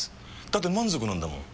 だって満足なんだもん。